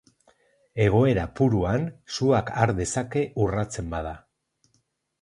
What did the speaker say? Egoera puruan suak har dezake urratzen bada.